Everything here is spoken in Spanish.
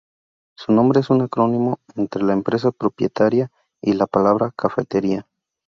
Su nombre es un acrónimo entre la empresa propietaria y la palabra "cafetería".